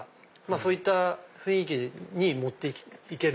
そういった雰囲気に持っていける。